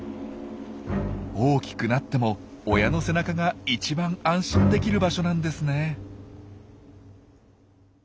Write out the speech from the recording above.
大きくなっても親の背中が一番安心できる場所なんですね。